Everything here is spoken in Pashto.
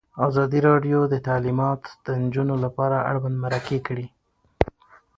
ازادي راډیو د تعلیمات د نجونو لپاره اړوند مرکې کړي.